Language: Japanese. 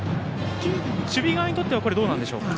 守備側にとってはどうなんでしょうか？